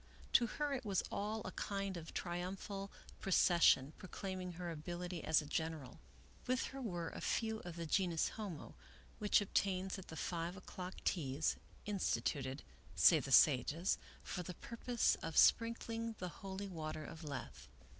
To her it was all a kind of triumphal procession, proclaiming her ability as a general. With her were a choice few of the genus homo, which obtains at the five o'clock teas, instituted, say the sages, for the purpose of sprinkling the holy water of Lethe.